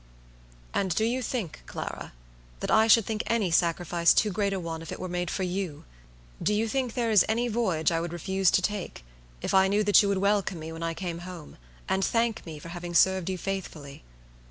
"And do you think, Clara, that I should think any sacrifice too great a one if it were made for you? Do you think there is any voyage I would refuse to take, if I knew that you would welcome me when I came home, and thank me for having served you faithfully?